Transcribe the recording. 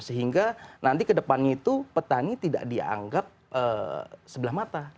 sehingga nanti kedepannya itu petani tidak dianggap sebelah mata